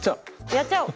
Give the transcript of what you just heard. やっちゃおう！